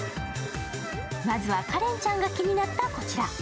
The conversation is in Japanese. まずは花恋ちゃんが気になったこちら。